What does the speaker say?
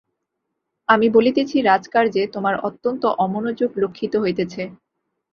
আমি বলিতেছি, রাজকার্যে তোমার অত্যন্ত অমনোযোগ লক্ষিত হইতেছে।